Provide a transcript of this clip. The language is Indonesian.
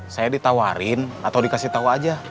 saya ditawarin atau dikasih tahu aja